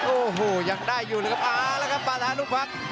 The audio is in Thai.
โอ้โหยังได้อยู่เลยครับอ๋อแล้วครับปลาทานุพักษ์